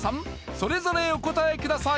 それぞれお答えください